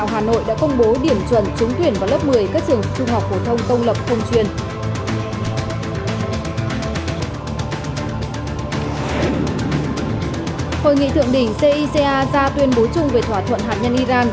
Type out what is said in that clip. hội nghị thượng đỉnh cica ra tuyên bố chung về thỏa thuận hạt nhân iran